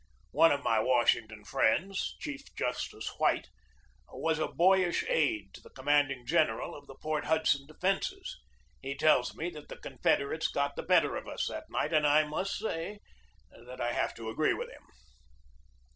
One of my Washing ton friends, Chief Justice White, was a boyish aide to the commanding general of the Port Hudson de fences. He tells me that the Confederates got the better of us that night, and I must say that I have to agree with him.